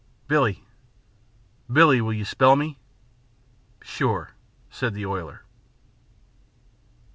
"Billie.... Billie, will you spell me?" "Sure," said the oiler.